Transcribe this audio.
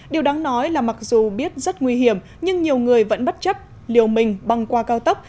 điều đáng nói là mặc dù biết rất nguy hiểm nhưng nhiều người vẫn bất chấp liều mình băng qua cao tốc